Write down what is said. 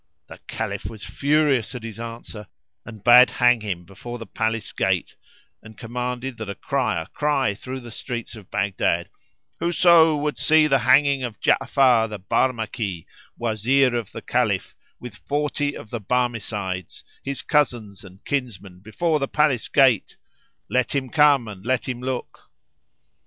The Caliph was furious at his answer and bade hang him before the palace gate and commanded that a crier cry through the streets of Baghdad, "Whoso would see the hanging of Ja'afar, the Barmaki, Wazir of the Caliph, with forty of the Barmecides, [FN#356] his cousins and kinsmen, before the palace gate, let him come and let him look!"